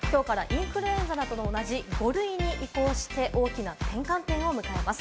今日からインフルエンザなどと同じ５類に移行して、大きな転換点を迎えます。